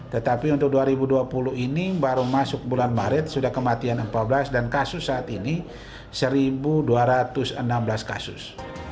tetapi untuk dua ribu dua puluh ini baru masuk bulan maret sudah kematian empat belas dan kasus saat ini satu dua ratus enam belas kasus